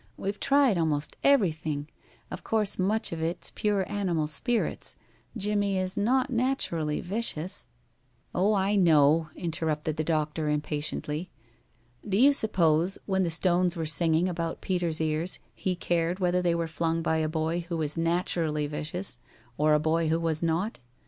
"We've tried almost everything. Of course much of it is pure animal spirits. Jimmie is not naturally vicious " "Oh, I know," interrupted the doctor, impatiently. "Do you suppose, when the stones were singing about Peter's ears, he cared whether they were flung by a boy who was naturally vicious or a boy who was not?